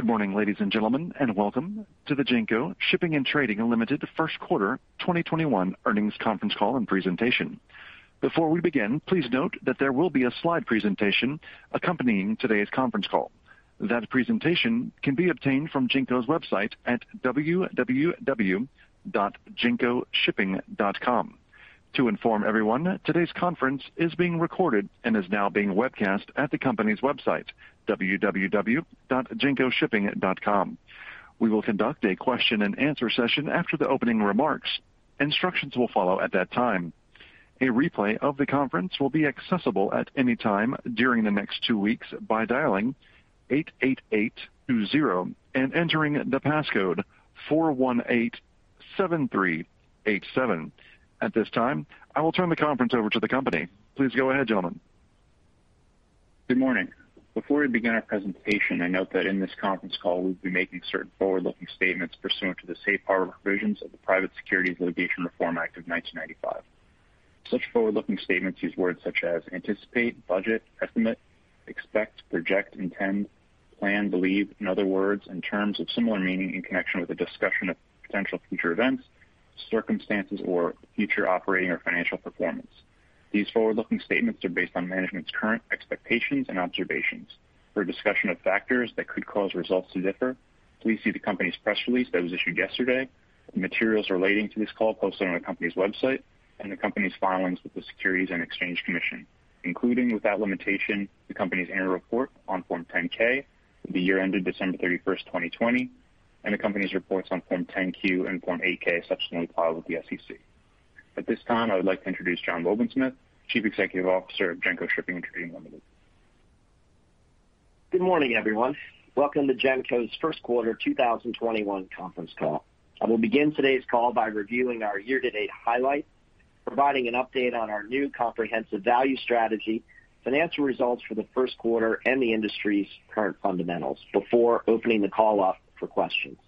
Good morning, ladies and gentlemen. Welcome to the Genco Shipping & Trading Limited first quarter 2021 earnings conference call and presentation. Before we begin, please note that there will be a slide presentation accompanying today's conference call. That presentation can be obtained from Genco's website at www.gencoshipping.com. To inform everyone, today's conference is being recorded and is now being webcast at the company's website, www.gencoshipping.com. We will conduct a question and answer session after the opening remarks. Instructions will follow at that time. A replay of the conference will be accessible at any time during the next two weeks by dialing 88820 and entering the passcode 4187387. At this time, I will turn the conference over to the company. Please go ahead, gentlemen. Good morning. Before we begin our presentation, I note that in this conference call, we'll be making certain forward-looking statements pursuant to the safe harbor provisions of the Private Securities Litigation Reform Act of 1995. Such forward-looking statements use words such as anticipate, budget, estimate, expect, project, intend, plan, believe, and other words and terms of similar meaning in connection with a discussion of potential future events, circumstances, or future operating or financial performance. These forward-looking statements are based on management's current expectations and observations. For a discussion of factors that could cause results to differ, please see the company's press release that was issued yesterday, materials relating to this call posted on the company's website, and the company's filings with the Securities and Exchange Commission, including, without limitation, the company's annual report on Form 10-K for the year ended December 31st, 2020, and the company's reports on Form 10-Q and Form 8-K subsequently filed with the SEC. At this time, I would like to introduce John Wobensmith, Chief Executive Officer of Genco Shipping & Trading Limited. Good morning, everyone. Welcome to Genco's first quarter 2021 conference call. I will begin today's call by reviewing our year-to-date highlights, providing an update on our new comprehensive value strategy, financial results for the first quarter, and the industry's current fundamentals before opening the call up for questions.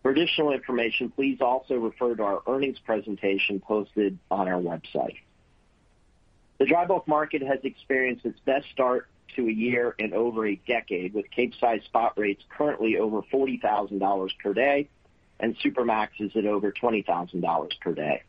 For additional information, please also refer to our earnings presentation posted on our website. The dry bulk market has experienced its best start to a year in over a decade, with Capesize spot rates currently over $40,000 per day and Supramax is at over $20,000 per day.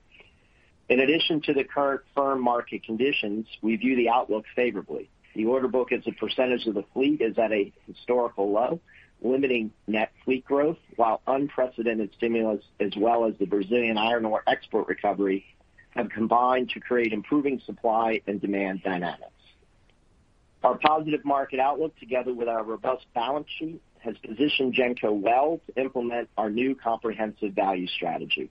In addition to the current firm market conditions, we view the outlook favorably. The order book as a percentage of the fleet is at a historical low, limiting net fleet growth, while unprecedented stimulus, as well as the Brazilian iron ore export recovery, have combined to create improving supply and demand dynamics. Our positive market outlook, together with our robust balance sheet, has positioned Genco well to implement our new comprehensive value strategy.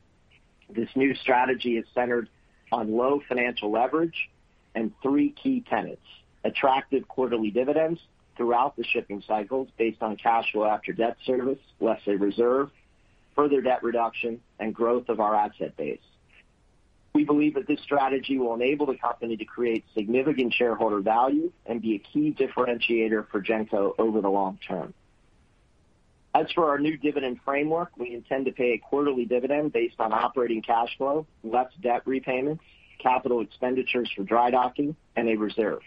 This new strategy is centered on low financial leverage and three key tenets. Attractive quarterly dividends throughout the shipping cycles based on cash flow after debt service, less a reserve, further debt reduction, and growth of our asset base. We believe that this strategy will enable the company to create significant shareholder value and be a key differentiator for Genco over the long term. As for our new dividend framework, we intend to pay a quarterly dividend based on operating cash flow, less debt repayments, caapital expenditures for dry docking, and a reserve.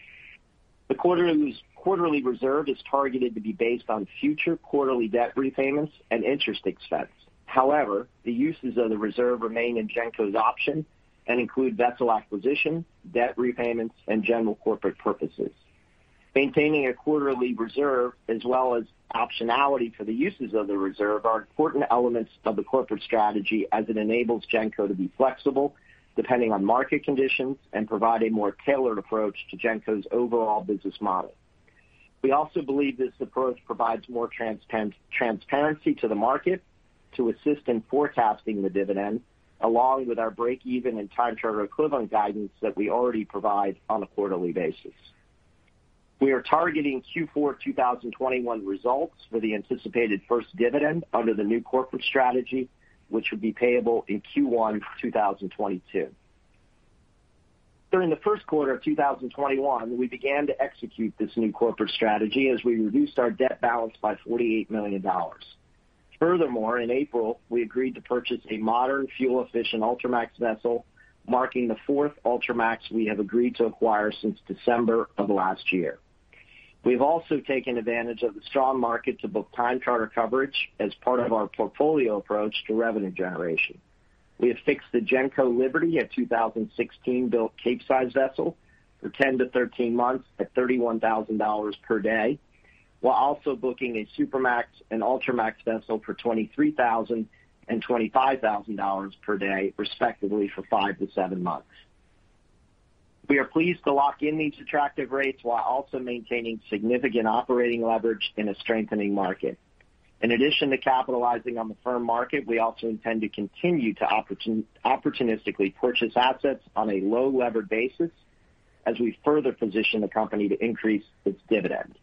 The quarterly reserve is targeted to be based on future quarterly debt repayments and interest expense. However, the uses of the reserve remain in Genco's option and include vessel acquisition, debt repayments, and general corporate purposes. Maintaining a quarterly reserve as well as optionality for the uses of the reserve are important elements of the corporate strategy as it enables Genco to be flexible depending on market conditions and provide a more tailored approach to Genco's overall business model. We also believe this approach provides more transparency to the market to assist in forecasting the dividend, along with our break-even and time charter equivalent guidance that we already provide on a quarterly basis. We are targeting Q4 2021 results for the anticipated first dividend under the new corporate strategy, which would be payable in Q1 2022. During the first quarter of 2021, we began to execute this new corporate strategy as we reduced our debt balance by $48 million. Furthermore, in April, we agreed to purchase a modern fuel-efficient Ultramax vessel, marking the fourth Ultramax we have agreed to acquire since December of last year. We've also taken advantage of the strong market to book time charter coverage as part of our portfolio approach to revenue generation. We have fixed the Genco Liberty, a 2016-built Capesize vessel, for 10-13 months at $31,000 per day, while also booking a Supramax and Ultramax vessel for $23,000 and $25,000 per day, respectively, for five to seven months. We are pleased to lock in these attractive rates while also maintaining significant operating leverage in a strengthening market. In addition to capitalizing on the firm market, we also intend to continue to opportunistically purchase assets on a low-levered basis as we further position the company to increase its dividend.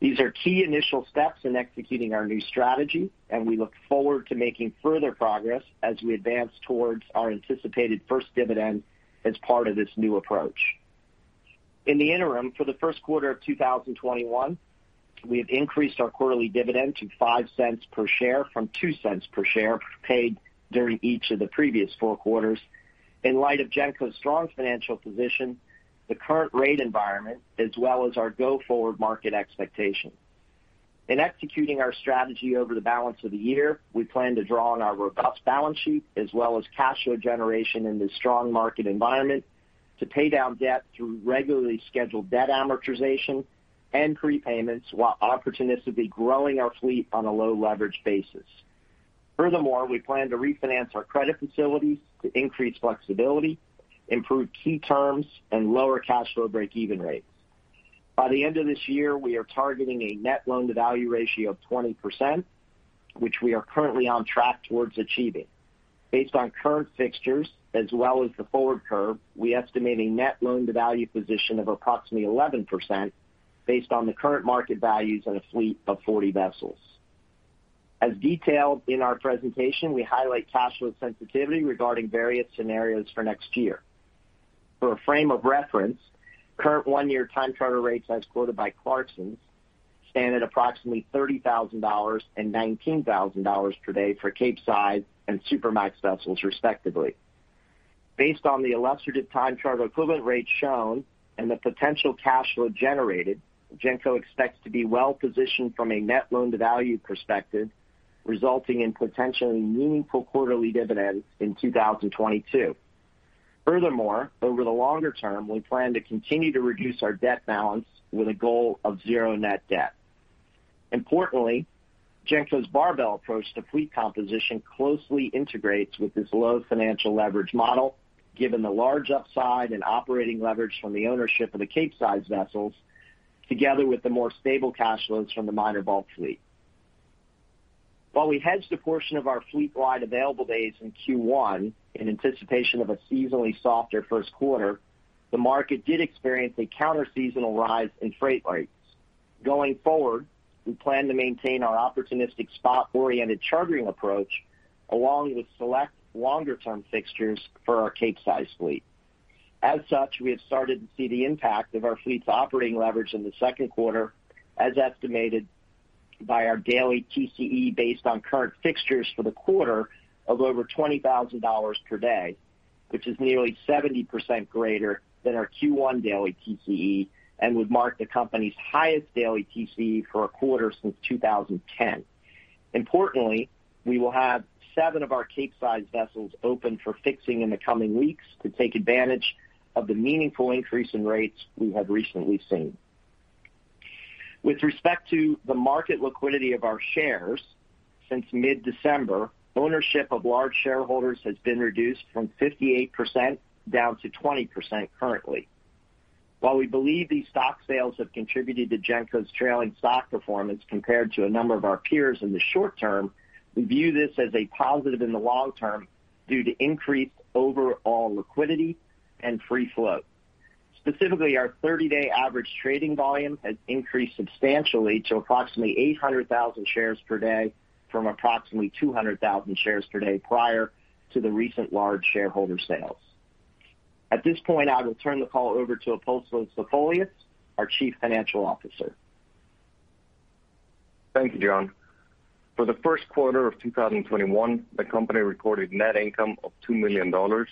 These are key initial steps in executing our new strategy, and we look forward to making further progress as we advance towards our anticipated first dividend as part of this new approach. In the interim, for the first quarter of 2021, we have increased our quarterly dividend to $0.05 per share from $0.02 per share paid during each of the previous four quarters. In light of Genco's strong financial position, the current rate environment, as well as our go-forward market expectations. In executing our strategy over the balance of the year, we plan to draw on our robust balance sheet as well as cash flow generation in this strong market environment to pay down debt through regularly scheduled debt amortization and prepayments while opportunistically growing our fleet on a low-leverage basis. Furthermore, we plan to refinance our credit facilities to increase flexibility, improve key terms, and lower cash flow breakeven rates. By the end of this year, we are targeting a net loan-to-value ratio of 20%, which we are currently on track towards achieving. Based on current fixtures as well as the forward curve, we estimate a net loan-to-value position of approximately 11% based on the current market values on a fleet of 40 vessels. As detailed in our presentation, we highlight cash flow sensitivity regarding various scenarios for next year. For a frame of reference, current one-year time charter rates, as quoted by Clarksons, stand at approximately $30,000 and $19,000 per day for Capesize and Supramax vessels respectively. Based on the illustrative time charter equivalent rates shown and the potential cash flow generated, Genco expects to be well-positioned from a net loan-to-value perspective, resulting in potentially meaningful quarterly dividends in 2022. Furthermore, over the longer term, we plan to continue to reduce our debt balance with a goal of zero net debt. Importantly, Genco's barbell approach to fleet composition closely integrates with this low financial leverage model, given the large upside and operating leverage from the ownership of the Capesize vessels, together with the more stable cash flows from the minor bulk fleet. While we hedged a portion of our fleet-wide available days in Q1 in anticipation of a seasonally softer first quarter, the market did experience a counter-seasonal rise in freight rates. Going forward, we plan to maintain our opportunistic spot-oriented chartering approach, along with select longer-term fixtures for our Capesize fleet. As such, we have started to see the impact of our fleet's operating leverage in the second quarter, as estimated by our daily TCE based on current fixtures for the quarter of over $20,000 per day, which is nearly 70% greater than our Q1 daily TCE and would mark the company's highest daily TCE for a quarter since 2010. Importantly, we will have seven of our Capesize vessels open for fixing in the coming weeks to take advantage of the meaningful increase in rates we have recently seen. With respect to the market liquidity of our shares, since mid-December, ownership of large shareholders has been reduced from 58% down to 20% currently. While we believe these stock sales have contributed to Genco's trailing stock performance compared to a number of our peers in the short-term, we view this as a positive in the long-term due to increased overall liquidity and free flow. Specifically, our 30-day average trading volume has increased substantially to approximately 800,000 shares per day from approximately 200,000 shares per day prior to the recent large shareholder sales. At this point, I will turn the call over to Apostolos Zafolias, our Chief Financial Officer. Thank you, John. For the first quarter of 2021, the company recorded net income of $2 million, or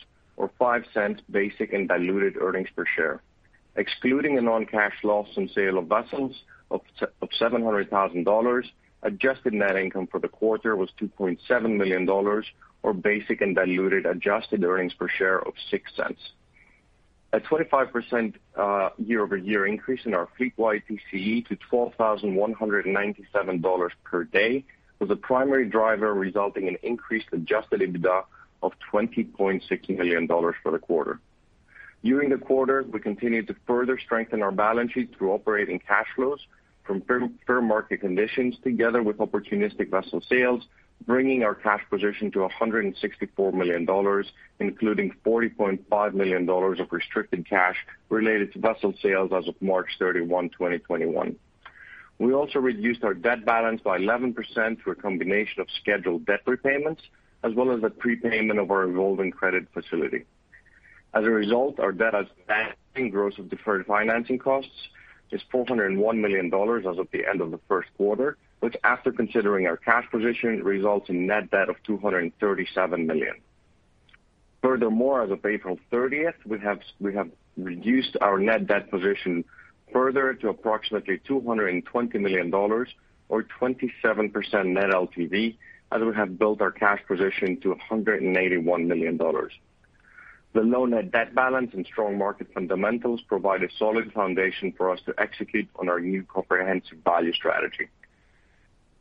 $0.05 basic and diluted earnings per share. Excluding a non-cash loss on sale of vessels of $700,000, adjusted net income for the quarter was $2.7 million or basic and diluted adjusted earnings per share of $0.06. A 25% year-over-year increase in our fleet-wide TCE to $12,197 per day was a primary driver resulting in increased Adjusted EBITDA of $20.6 million for the quarter. During the quarter, we continued to further strengthen our balance sheet through operating cash flows from firm market conditions together with opportunistic vessel sales, bringing our cash position to $164 million, including $40.5 million of restricted cash related to vessel sales as of March 31, 2021. We also reduced our debt balance by 11% through a combination of scheduled debt repayments as well as the prepayment of our revolving credit facility. As a result, our debt as gross of deferred financing costs is $401 million as of the end of the first quarter, which, after considering our cash position, results in net debt of $237 million. Furthermore, as of April 30th, we have reduced our net debt position further to approximately $220 million or 27% net LTV as we have built our cash position to $181 million. The low net debt balance and strong market fundamentals provide a solid foundation for us to execute on our new comprehensive value strategy.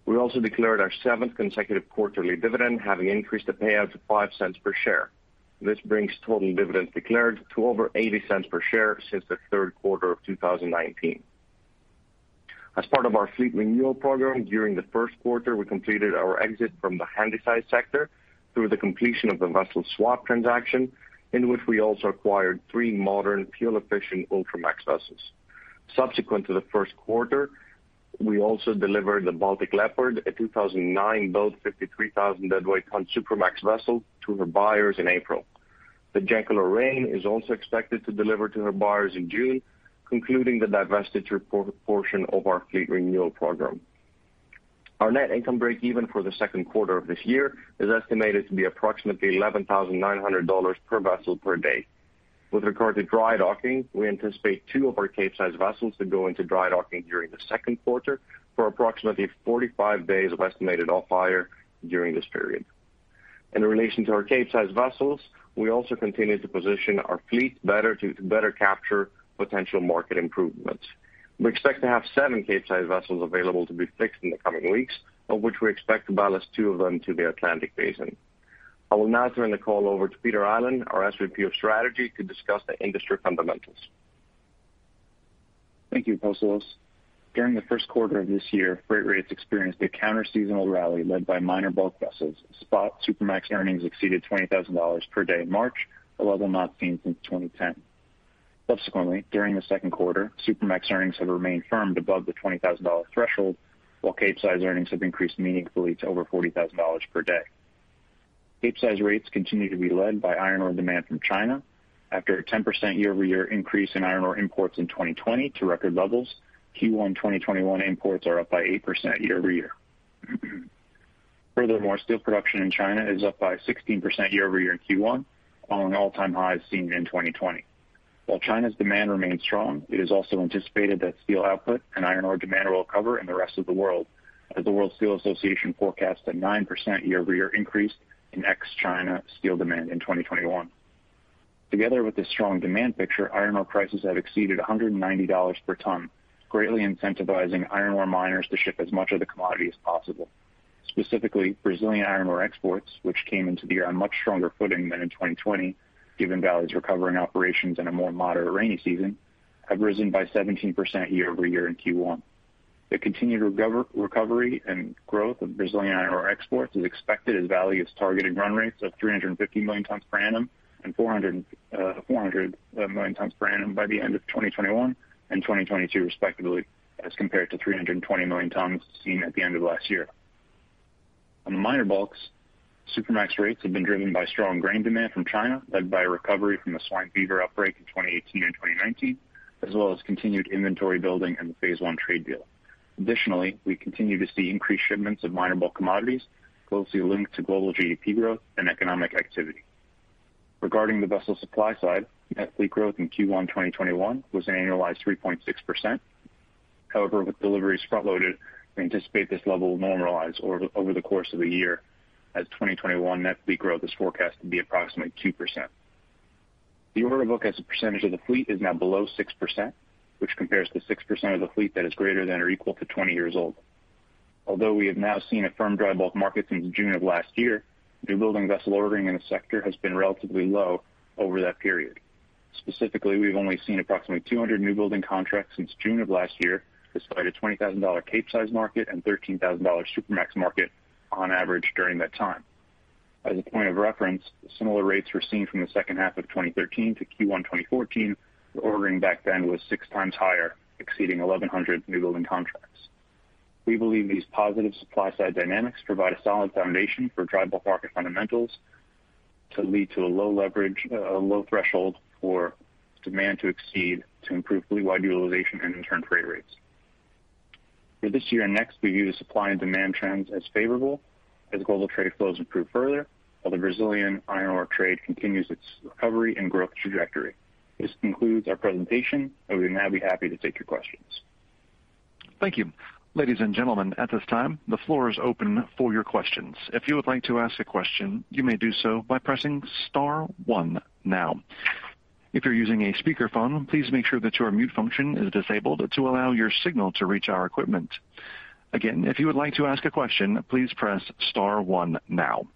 We also declared our seventh consecutive quarterly dividend, having increased the payout to $0.05 per share. This brings total dividends declared to over $0.80 per share since the third quarter of 2019. As part of our fleet renewal program, during the first quarter, we completed our exit from the Handysize sector through the completion of the vessel swap transaction, in which we also acquired three modern, fuel-efficient Ultramax vessels. Subsequent to the first quarter, we also delivered the Baltic Leopard, a 2009-built 53,000 deadweight ton Supramax vessel, to her buyers in April. The Genco LORRAINE is also expected to deliver to her buyers in June, concluding the divestiture portion of our fleet renewal program. Our net income breakeven for the second quarter of this year is estimated to be approximately $11,900 per vessel per day. With regard to dry docking, we anticipate two of our Capesize vessels to go into dry docking during the second quarter for approximately 45 days of estimated off-hire during this period. In relation to our Capesize vessels, we also continue to position our fleet to better capture potential market improvements. We expect to have seven Capesize vessels available to be fixed in the coming weeks, of which we expect to ballast two of them to the Atlantic Basin. I will now turn the call over to Peter Allen, our SVP of Strategy, to discuss the industry fundamentals. Thank you, Apostolos. During the first quarter of this year, freight rates experienced a counterseasonal rally led by minor bulk vessels. Spot Supramax earnings exceeded $20,000 per day in March, a level not seen since 2010. Subsequently, during the second quarter, Supramax earnings have remained firm above the $20,000 threshold, while Capesize earnings have increased meaningfully to over $40,000 per day. Capesize rates continue to be led by iron ore demand from China. After a 10% year-over-year increase in iron ore imports in 2020 to record levels, Q1 2021 imports are up by 8% year-over-year. Furthermore, steel production in China is up by 16% year-over-year in Q1, following all-time highs seen in 2020. While China's demand remains strong, it is also anticipated that steel output and iron ore demand will recover in the rest of the world, as the World Steel Association forecasts a 9% year-over-year increase in ex-China steel demand in 2021. Together with this strong demand picture, iron ore prices have exceeded $190 per ton, greatly incentivizing iron ore miners to ship as much of the commodity as possible. Specifically, Brazilian iron ore exports, which came into the year on much stronger footing than in 2020, given Vale's recovering operations and a more moderate rainy season, have risen by 17% year-over-year in Q1. The continued recovery and growth of Brazilian iron ore exports is expected as Vale is targeting run rates of 350 million tons per annum and 400 million tons per annum by the end of 2021, and 2022 respectively, as compared to 320 million tons seen at the end of last year. On the minor bulks, Supramax rates have been driven by strong grain demand from China, led by a recovery from the swine fever outbreak in 2018 and 2019, as well as continued inventory building in the phase I trade deal. Additionally, we continue to see increased shipments of minor bulk commodities closely linked to global GDP growth and economic activity. Regarding the vessel supply side, net fleet growth in Q1 2021 was an annualized 3.6%. However, with deliveries front-loaded, we anticipate this level will normalize over the course of the year, as 2021 net fleet growth is forecast to be approximately 2%. The order book as a percentage of the fleet is now below 6%, which compares to 6% of the fleet that is greater than or equal to 20 years old. Although we have now seen a firm dry bulk market since June of last year, newbuilding vessel ordering in the sector has been relatively low over that period. Specifically, we've only seen approximately 200 newbuilding contracts since June of last year, despite a $20,000 Capesize market and $13,000 Supramax market on average during that time. As a point of reference, similar rates were seen from the second half of 2013 to Q1 2014, where ordering back then was six times higher, exceeding 1,100 newbuilding contracts. We believe these positive supply-side dynamics provide a solid foundation for dry bulk market fundamentals to lead to a low threshold for demand to exceed to improve fleet-wide utilization and in turn, freight rates. For this year and next, we view the supply and demand trends as favorable as global trade flows improve further while the Brazilian iron ore trade continues its recovery and growth trajectory. This concludes our presentation, and we would now be happy to take your questions. Thank you. Ladies and gentlemen, at this time, the floor is open for your questions. If you would like to ask a question, you may do so by pressing star one now. If you're using a speakerphone, please make sure that your mute function is disabled to allow your signal to reach our equipment. Again, if you would like to ask a question, please press star one now.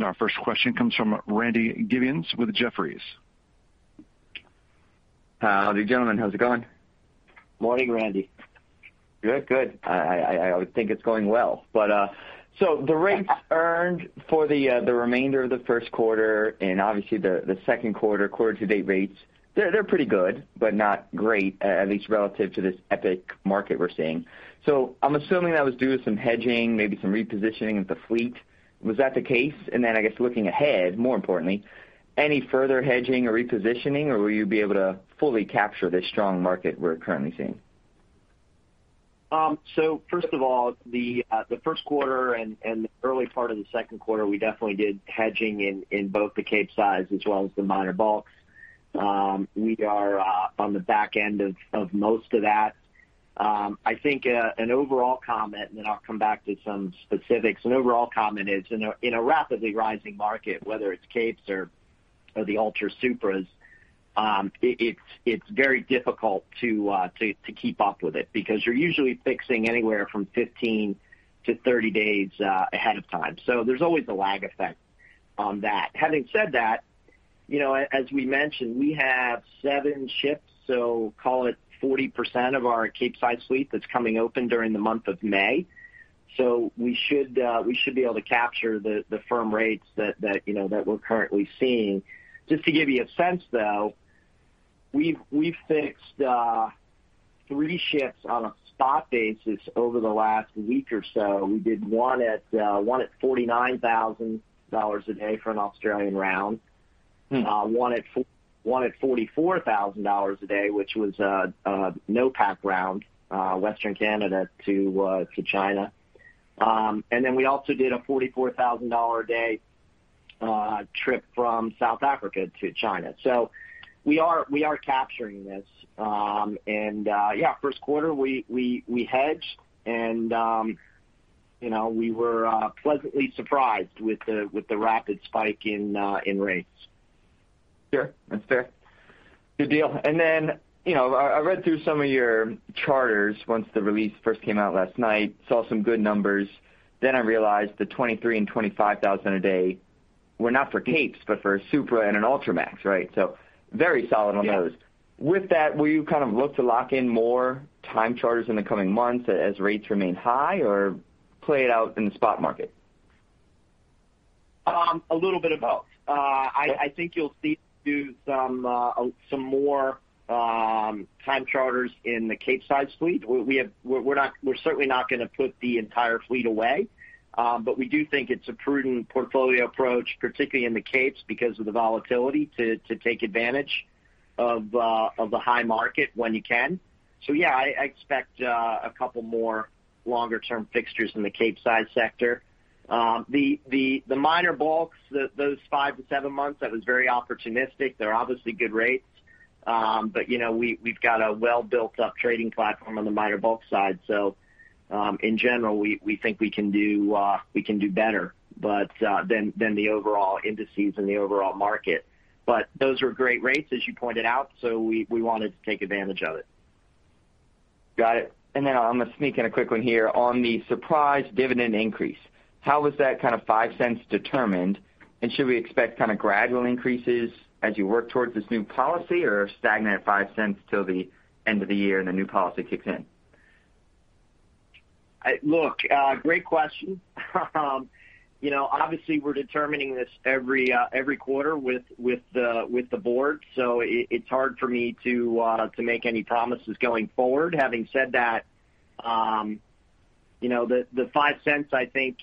Our first question comes from Randy Giveans with Jefferies. Howdy, gentlemen. How's it going? Morning, Randy. Good. I would think it's going well. The rates earned for the remainder of the first quarter, and obviously the second quarter-to-date rates, they're pretty good, but not great, at least relative to this epic market we're seeing. I'm assuming that was due to some hedging, maybe some repositioning of the fleet. Was that the case? I guess looking ahead, more importantly, any further hedging or repositioning, or will you be able to fully capture this strong market we're currently seeing? First of all, the first quarter and the early part of the second quarter, we definitely did hedging in both the Capesize as well as the minor bulks. We are on the back end of most of that. I think an overall comment, and then I'll come back to some specifics. An overall comment is, in a rapidly rising market, whether it's Capes or the Ultra Supras, it's very difficult to keep up with it because you're usually fixing anywhere from 15-30 days ahead of time. There's always a lag effect on that. Having said that, as we mentioned, we have seven ships, so call it 40% of our Capesize fleet that's coming open during the month of May. We should be able to capture the firm rates that we're currently seeing. Just to give you a sense, though, we've fixed three ships on a spot basis over the last week or so. We did one at $49,000 a day for an Australian round. One at $44,000 a day, which was a NOPAC round, Western Canada to China. Then we also did a $44,000 a day trip from South Africa to China. We are capturing this. First quarter, we hedged, and we were pleasantly surprised with the rapid spike in rates. Sure. That's fair. Good deal. I read through some of your charters once the release first came out last night, saw some good numbers. I realized the $23,000 and $25,000 a day were not for Capes, but for a Supra and an Ultramax. Very solid on those. Yeah. With that, will you look to lock in more time charters in the coming months as rates remain high, or play it out in the spot market? A little bit of both. I think you'll see some more time charters in the Capesize fleet. We're certainly not going to put the entire fleet away. We do think it's a prudent portfolio approach, particularly in the Capes because of the volatility to take advantage of the high market when you can. Yeah, I expect a couple more longer-term fixtures in the Capesize sector. The minor bulks, those five to seven months, that was very opportunistic. They're obviously good rates. We've got a well-built-up trading platform on the minor bulk side. In general, we think we can do better than the overall indices and the overall market. Those were great rates, as you pointed out, so we wanted to take advantage of it. Got it. Then I'm going to sneak in a quick one here. On the surprise dividend increase, how was that $0.05 determined? Should we expect gradual increases as you work towards this new policy, or stagnant $0.05 till the end of the year and the new policy kicks in? Look, great question. Obviously, we're determining this every quarter with the board. It's hard for me to make any promises going forward. Having said that, the $0.05, I think,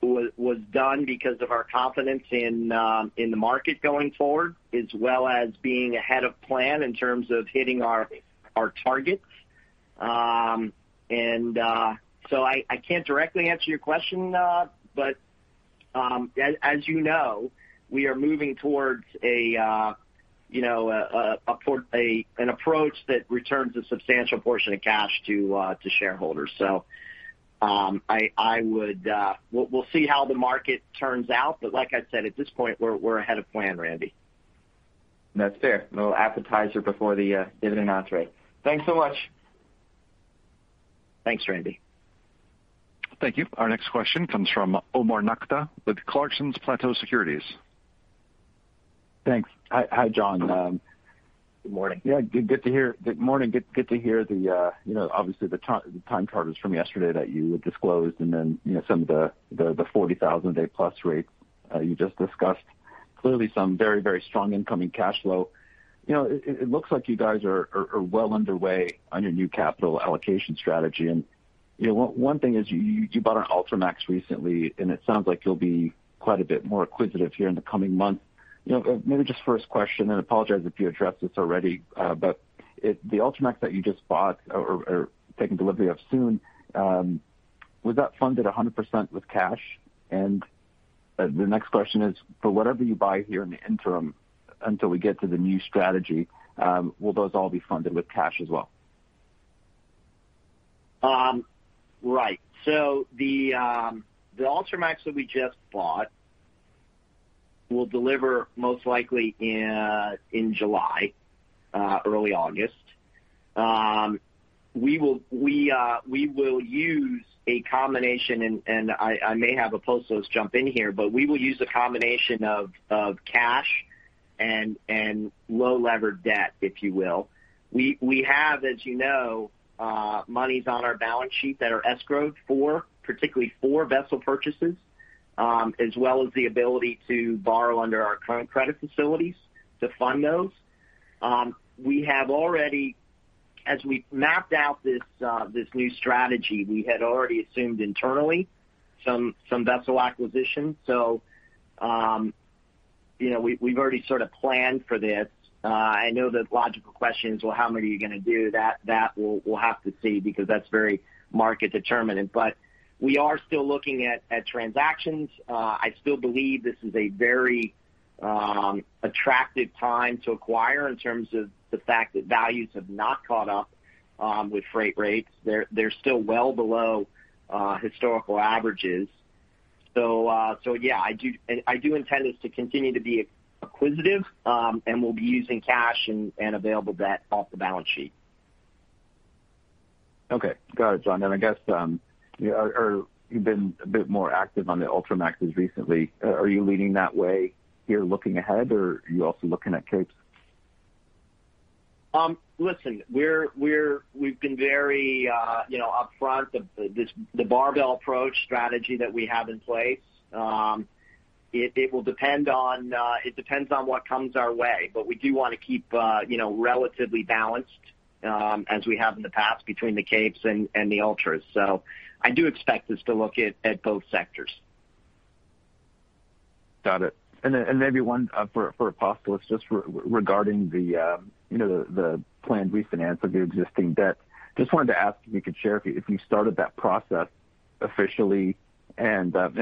was done because of our confidence in the market going forward, as well as being ahead of plan in terms of hitting our targets. I can't directly answer your question, but as you know, we are moving towards an approach that returns a substantial portion of cash to shareholders. We'll see how the market turns out, but like I said, at this point, we're ahead of plan, Randy. That's fair. A little appetizer before the dividend entrée. Thanks so much. Thanks, Randy. Thank you. Our next question comes from Omar Nokta with Clarksons Platou Securities. Thanks. Hi, John. Good morning. Yeah. Good morning. Good to hear, obviously, the time charters from yesterday that you had disclosed and then some of the 40,000-a-day-plus rates you just discussed. Clearly, some very strong incoming cash flow. It looks like you guys are well underway on your new capital allocation strategy. One thing is you bought an Ultramax recently, and it sounds like you'll be quite a bit more acquisitive here in the coming months. Maybe just first question, and apologize if you addressed this already, but the Ultramax that you just bought or are taking delivery of soon, was that funded 100% with cash? The next question is, for whatever you buy here in the interim until we get to the new strategy, will those all be funded with cash as well? Right. The Ultramax that we just bought will deliver most likely in July, early August. We will use a combination, and I may have Apostolos jump in here, but we will use a combination of cash and low-levered debt, if you will. We have, as you know, monies on our balance sheet that are escrowed for, particularly for vessel purchases, as well as the ability to borrow under our current credit facilities to fund those. As we mapped out this new strategy, we had already assumed internally some vessel acquisition. We've already sort of planned for this. I know the logical question is, well, how many are you going to do? That, we'll have to see because that's very market-determined. We are still looking at transactions. I still believe this is a very attractive time to acquire in terms of the fact that values have not caught up with freight rates. They're still well below historical averages. Yeah, I do intend us to continue to be acquisitive, and we'll be using cash and available debt off the balance sheet. Okay. Got it, John. I guess you've been a bit more active on the Ultramaxes recently. Are you leaning that way here looking ahead, or are you also looking at Capes? Listen, we've been very upfront of the barbell approach strategy that we have in place. It depends on what comes our way. We do want to keep relatively balanced as we have in the past between the Capes and the Ultras. I do expect us to look at both sectors. Got it. Maybe one for Apostolos, just regarding the planned refinance of the existing debt. Just wanted to ask if you could share if you started that process officially and what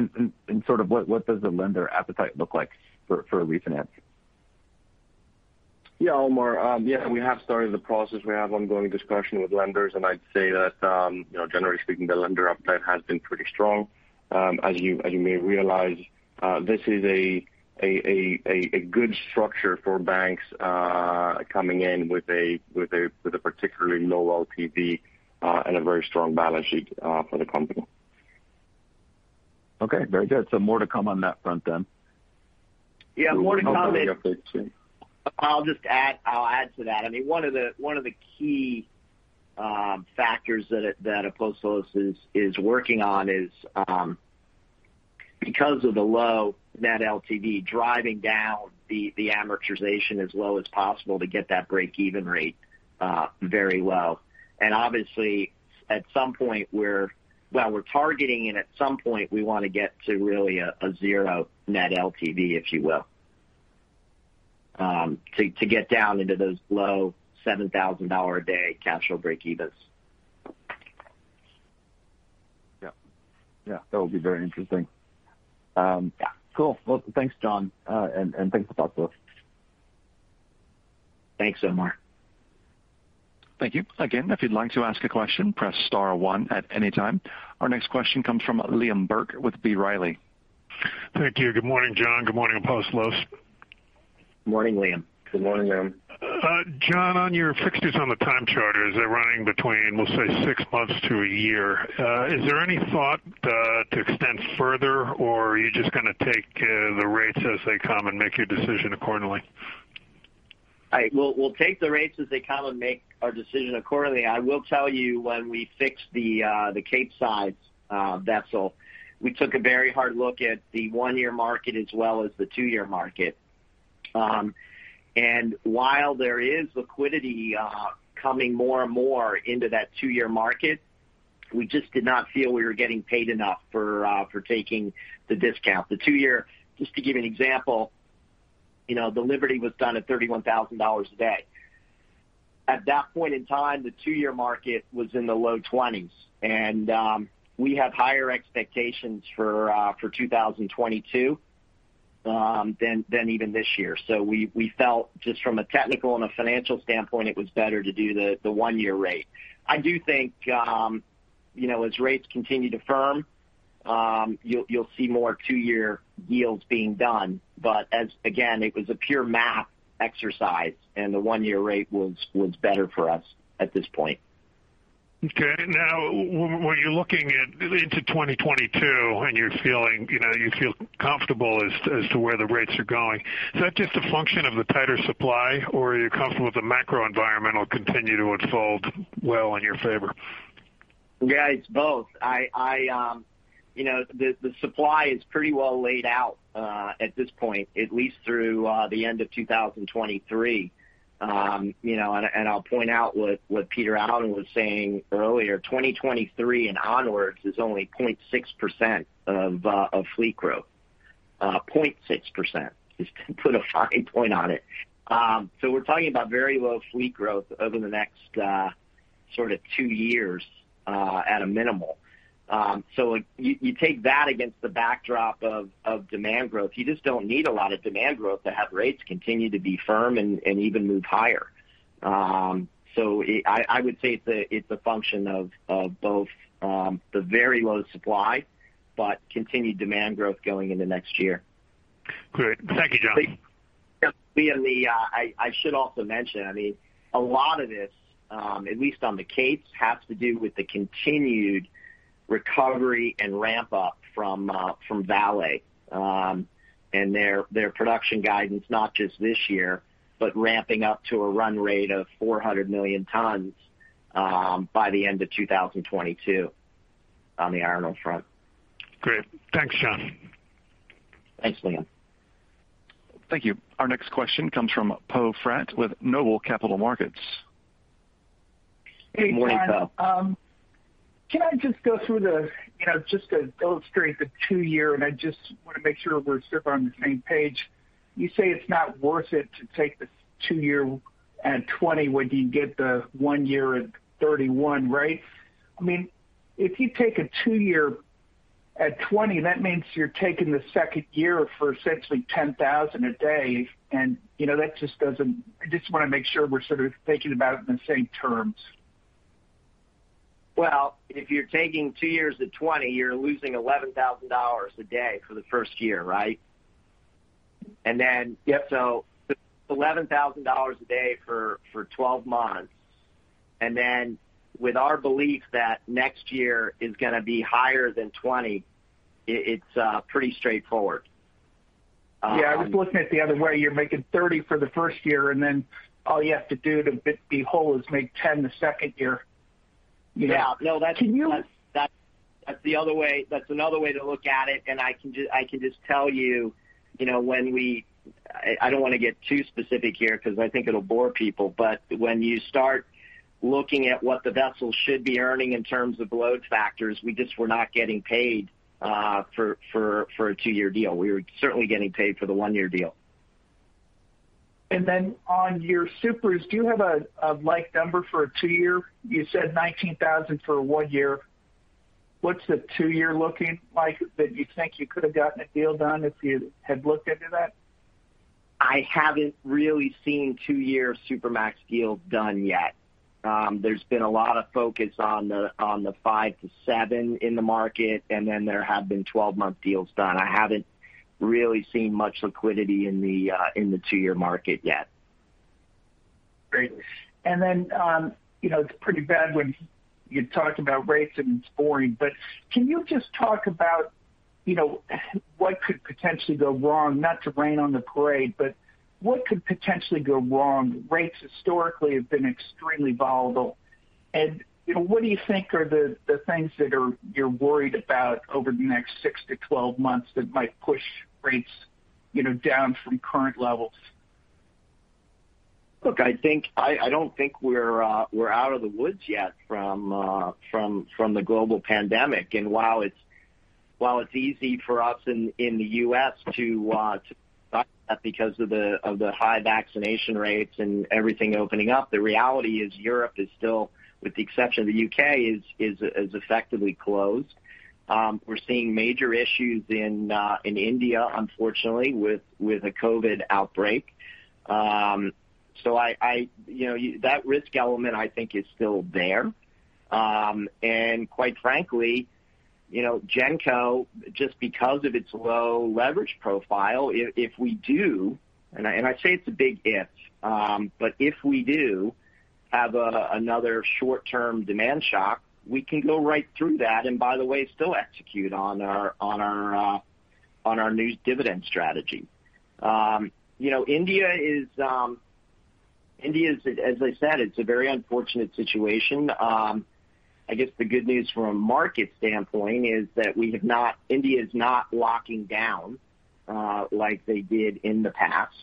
does the lender appetite look like for a refinance? Yeah, Omar. We have started the process. We have ongoing discussion with lenders, and I'd say that generally speaking, the lender appetite has been pretty strong. As you may realize, this is a good structure for banks coming in with a particularly low LTV and a very strong balance sheet for the company. Okay, very good. More to come on that front then. Yeah, more to come. We'll look for the update soon. I'll add to that. One of the key factors that Apostolos is working on is, because of the low net LTV, driving down the amortization as low as possible to get that breakeven rate very low. Obviously, at some point, while we're targeting it, at some point, we want to get to really a zero net LTV, if you will, to get down into those low $7,000 a day capital breakevens. Yeah. That will be very interesting. Yeah. Cool. Thanks, John, and thanks, Apostolos. Thanks, Omar. Thank you. Again, if you'd like to ask a question, press star one at any time. Our next question comes from Liam Burke with B. Riley. Thank you. Good morning, John. Good morning, Apostolos. Morning, Liam. Good morning, Liam. John, on your fixtures on the time charters, they're running between, we'll say, six months to a year. Is there any thought to extend further, or are you just going to take the rates as they come and make your decision accordingly? We'll take the rates as they come and make our decision accordingly. I will tell you when we fixed the Capesize vessel, we took a very hard look at the one-year market as well as the two-year market. While there is liquidity coming more and more into that two-year market, we just did not feel we were getting paid enough for taking the discount. The two-year, just to give you an example, the Liberty was done at $31,000 a day. At that point in time, the two-year market was in the low 20s, and we have higher expectations for 2022 than even this year. We felt just from a technical and a financial standpoint, it was better to do the one-year rate. I do think as rates continue to firm, you'll see more two-year deals being done. Again, it was a pure math exercise and the one-year rate was better for us at this point. Okay. When you're looking into 2022 and you feel comfortable as to where the rates are going, is that just a function of the tighter supply, or are you comfortable with the macro environment will continue to unfold well in your favor? Yeah, it's both. The supply is pretty well laid out at this point, at least through the end of 2023. I'll point out what Peter Allen was saying earlier, 2023 and onwards is only 0.6% of fleet growth. 0.6%, just to put a fine point on it. We're talking about very low fleet growth over the next two years at a minimal. You take that against the backdrop of demand growth. You just don't need a lot of demand growth to have rates continue to be firm and even move higher. I would say it's a function of both the very low supply but continued demand growth going into next year. Great. Thank you, John. Liam, I should also mention, a lot of this, at least on the Capes, has to do with the continued recovery and ramp-up from Vale and their production guidance, not just this year, but ramping up to a run rate of 400 million tons by the end of 2022 on the iron ore front. Great. Thanks, John. Thanks, Liam. Thank you. Our next question comes from Poe Fratt with Noble Capital Markets. Good morning, Poe. Hey, John. Can I just go through the, just to illustrate the two-year? I just want to make sure we're sort of on the same page. You say it's not worth it to take the two-year at $20 when you can get the one-year at $31, right? If you take a two-year at $20, that means you're taking the second year for essentially $10,000 a day. I just want to make sure we're sort of thinking about it in the same terms. Well, if you're taking two years at 20, you're losing $11,000 a day for the first year, right? Yeah. $11,000 a day for 12 months, and then with our belief that next year is going to be higher than 2020, it's pretty straightforward. Yeah, I was looking at it the other way. You're making $30 for the first year. All you have to do to be whole is make $10 the second year. Yeah. Can you- That's another way to look at it, and I can just tell you, when I don't want to get too specific here because I think it'll bore people, but when you start looking at what the vessels should be earning in terms of load factors, we just were not getting paid for a two-year deal. We were certainly getting paid for the one-year deal. On your Supras, do you have a like number for a two-year? You said $19,000 for a one-year. What's the two-year looking like that you think you could have gotten a deal done if you had looked into that? I haven't really seen two-year Supramax deals done yet. There's been a lot of focus on the five to seven in the market, and then there have been 12-month deals done. I haven't really seen much liquidity in the two-year market yet. Great. It's pretty bad when you talk about rates and it's boring, but can you just talk about what could potentially go wrong? Not to rain on the parade, but what could potentially go wrong? Rates historically have been extremely volatile, and what do you think are the things that you're worried about over the next 6-12 months that might push rates down from current levels? I don't think we're out of the woods yet from the global pandemic. While it's easy for us in the U.S. to because of the high vaccination rates and everything opening up, the reality is Europe is still, with the exception of the U.K., is effectively closed. We're seeing major issues in India, unfortunately, with a COVID outbreak. That risk element, I think, is still there. Quite frankly, Genco, just because of its low leverage profile, if we do, and I say it's a big if, but if we do have another short-term demand shock, we can go right through that and, by the way, still execute on our new dividend strategy. India, as I said, it's a very unfortunate situation. I guess the good news from a market standpoint is that India's not locking down like they did in the past.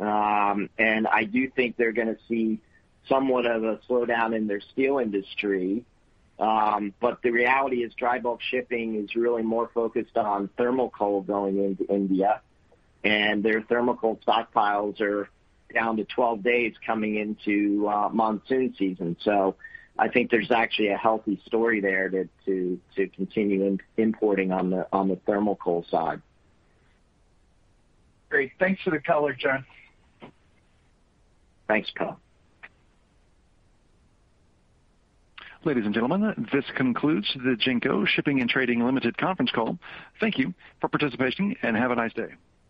I do think they're going to see somewhat of a slowdown in their steel industry. The reality is dry bulk shipping is really more focused on thermal coal going into India, and their thermal coal stockpiles are down to 12 days coming into monsoon season. I think there's actually a healthy story there to continue importing on the thermal coal side. Great. Thanks for the color, John. Thanks, Poe. Ladies and gentlemen, this concludes the Genco Shipping & Trading Limited conference call. Thank you for participating, and have a nice day.